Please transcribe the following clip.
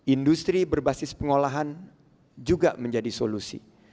industri berbasis pengolahan juga menjadi solusi